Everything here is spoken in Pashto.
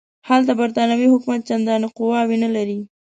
هلته برټانوي حکومت چنداني قواوې نه لري.